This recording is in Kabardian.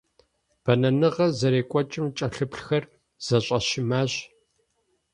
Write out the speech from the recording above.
Бэнэныгъэр зэрекӀуэкӀым кӀэлъыплъхэр зэщӀэщымащ.